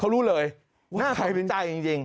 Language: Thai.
เขารู้เลยว่าใครเป็นใจจริง